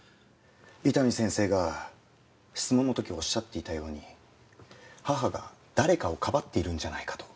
伊丹先生が質問の時おっしゃっていたように義母が誰かをかばっているんじゃないかと？